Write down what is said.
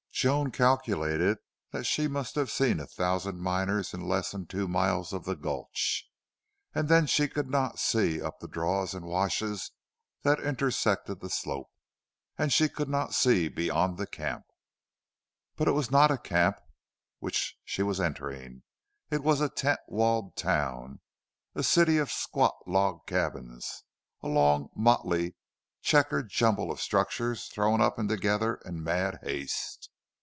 Joan calculated she must have seen a thousand miners in less than two miles of the gulch, and then she could not see up the draws and washes that intersected the slope, and she could not see beyond the camp. But it was not a camp which she was entering; it was a tent walled town, a city of squat log cabins, a long, motley, checkered jumble of structures thrown up and together in mad haste.